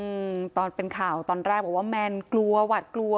อืมตอนเป็นข่าวตอนแรกบอกว่าแมนกลัวหวัดกลัว